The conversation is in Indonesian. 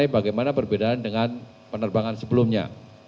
bagaimana perbedaan dengan penerbangan sebelumnya